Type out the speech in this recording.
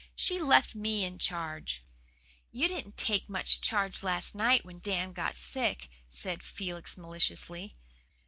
She left ME in charge." "You didn't take much charge last night when Dan got sick," said Felix maliciously.